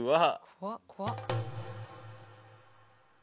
怖っ怖っ。